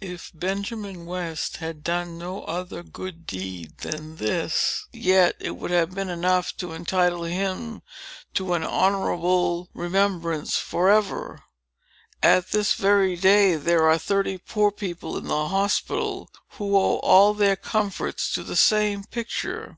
If Benjamin West had done no other good deed than this, yet it would have been enough to entitle him to an honorable remembrance forever. At this very day, there are thirty poor people in the Hospital, who owe all their comforts to that same picture.